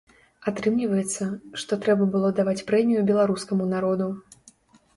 Атрымліваецца, што трэба было даваць прэмію беларускаму народу.